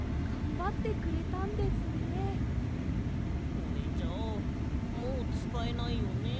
これじゃあもうつかえないよね？